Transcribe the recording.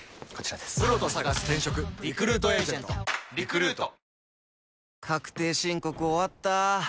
Ｎｏ．１確定申告終わった。